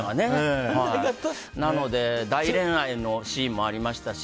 大恋愛のシーンもありましたし